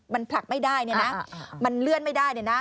มันผลักไม่ได้มันเลื่อนไม่ได้